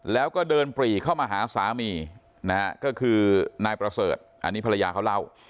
แล้วก็เดินปรีเข้ามาหาสามีนะฮะก็คือนายประเสริฐอันนี้ภรรยาเขาเล่า